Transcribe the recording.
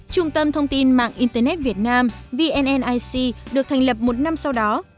trung tâm thông tin mạng internet việt nam vnic được thành lập một năm sau đó